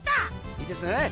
いいですね？